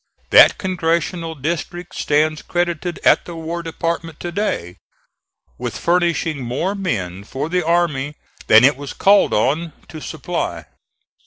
That congressional district stands credited at the War Department to day with furnishing more men for the army than it was called on to supply.